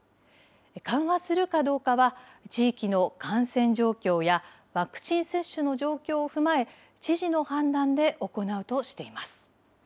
緩和するかどうかは地域の感染状況やワクチン接種の状況を踏まえ、知事の判断で行うとしています。